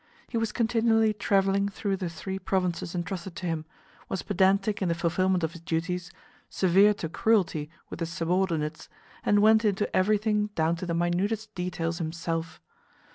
He was continually traveling through the three provinces entrusted to him, was pedantic in the fulfillment of his duties, severe to cruel with his subordinates, and went into everything down to the minutest details himself.